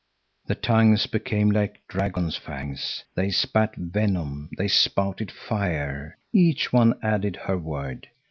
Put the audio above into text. The tongues became like dragons' fangs; they spat venom, they spouted fire. Each one added her word.